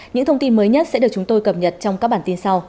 những thông tin mới nhất sẽ được chúng tôi cập nhật trong các bản tin sau